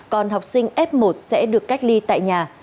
còn học sinh f một sẽ được cách ly tại nhà